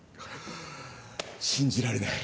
信じられない。